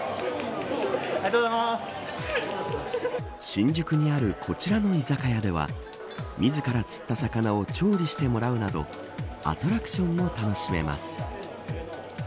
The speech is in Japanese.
新宿にあるこちらの居酒屋では自ら釣った魚を調理してもらうなどアトラクションも楽しめます。